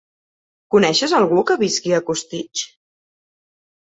Coneixes algú que visqui a Costitx?